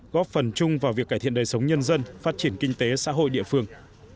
góp phần chung vào việc cải thiện đời sống nhân dân phát triển kinh tế xã hội địa phương